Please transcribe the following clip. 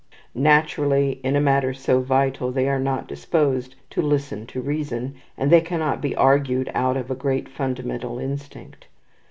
Naturally, in a matter so vital, they are not disposed to listen to reason, and they cannot be argued out of a great fundamental instinct.